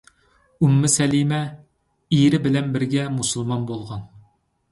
ئۇممۇ سەلەمە — ئېرى بىلەن بىرگە مۇسۇلمان بولغان.